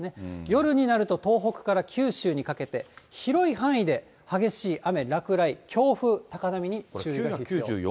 夜になると、東北から九州にかけて、広い範囲で激しい雨、落雷、強風、高波に注意が必要。